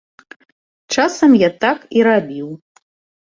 Часам я так і рабіў.